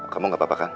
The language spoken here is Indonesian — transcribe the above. kamu gak apa apa kan